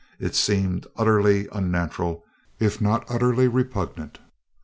It seemed utterly unnatural, if not utterly repugnant.